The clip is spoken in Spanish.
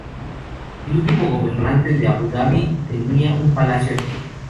El último gobernante de Abu Dhabi tenía un palacio aquí.